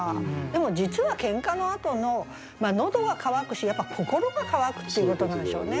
でも実は喧嘩のあとの喉は渇くしやっぱ心が渇くっていうことなんでしょうね。